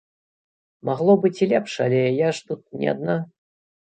Магло быць і лепш, але я ж тут не адна.